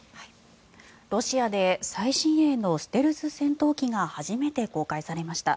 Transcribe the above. ロシアで最新鋭のステルス戦闘機が初めて公開されました。